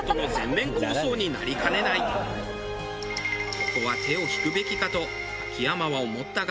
ここは手を引くべきかと秋山は思ったが。